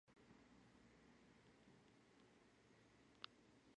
ჸუჩა ჩხოუ ხოლო ქაგუნია.